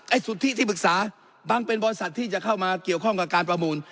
สุทธิที่ปรึกษาบางเป็นบริษัทที่จะเข้ามาเกี่ยวข้องกับการประมูล